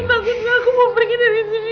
aku mau pergi dari sini